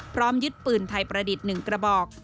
ยึดปืนไทยประดิษฐ์๑กระบอก